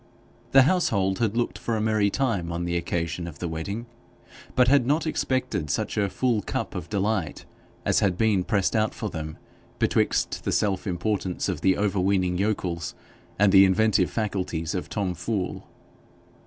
The household had looked for a merry time on the occasion of the wedding, but had not expected such a full cup of delight as had been pressed out for them betwixt the self importance of the overweening yokels and the inventive faculties of Tom Fool.